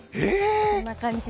こんな感じで。